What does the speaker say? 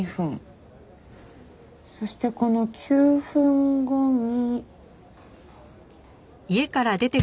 そしてこの９分後に。